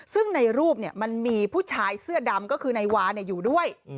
ซึ่งในรูปมันมีผู้ชายเสื้อดำก็คือนายวาอยู่ด้วย